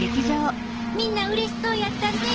みんなうれしそうやったね！